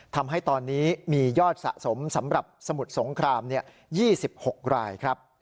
ทำให้ตอนนี้มียอดสะสมสำหรับสมุทรสงคราม๒๖รายครับ